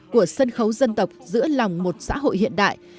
của sân khấu dân tộc giữa lòng một xã hội hiện đại